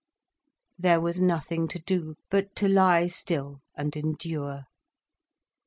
There was nothing to do but to lie still and endure.